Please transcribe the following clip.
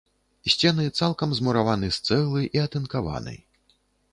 Сцены цалкам змураваны з цэглы і атынкаваны.